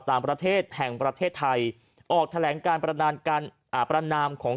ต่างประเทศแห่งประเทศไทยออกแถลงการประนามการอ่าประนามของ